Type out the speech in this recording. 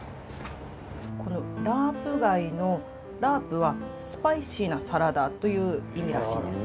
このラープガイのラープはスパイシーなサラダという意味らしいです。